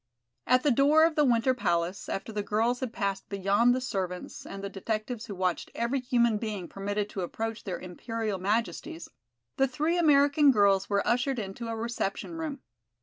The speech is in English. At the door of the Winter Palace, after the girls had passed beyond the servants and the detectives who watch every human being permitted to approach their Imperial Majesties, the three American girls were ushered into a reception room.